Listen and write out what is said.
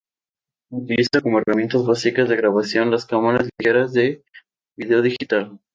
Utiliza como herramientas básicas de grabación las cámaras ligeras de video digital.